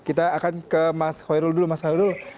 kita akan ke mas khoirul dulu mas khairul